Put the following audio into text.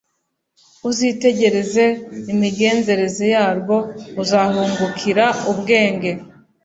uzitegereze imigenzereze yarwo, uzahungukira ubwenge